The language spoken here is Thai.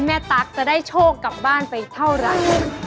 ตั๊กจะได้โชคกลับบ้านไปเท่าไหร่